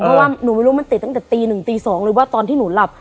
เพราะว่าหนูไม่รู้มันติดตั้งแต่ตีหนึ่งตี๒หรือว่าตอนที่หนูหลับ